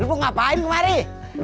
lu buat ngapain marih